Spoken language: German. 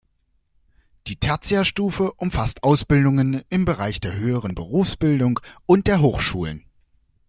Die Tertiärstufe umfasst Ausbildungen im Bereich der höheren Berufsbildung und der Hochschulen.